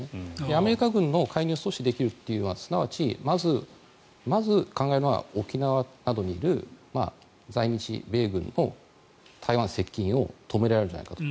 アメリカ軍の介入が阻止できるというのはまず、考えるのは沖縄などにいる在日米軍の台湾接近を止められるじゃないかと。